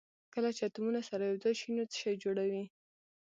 کله چې اتومونه سره یو ځای شي نو څه شی جوړوي